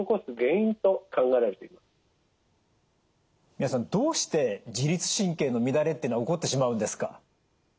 三輪さんどうして自律神経の乱れってのが起こってしまうんですか？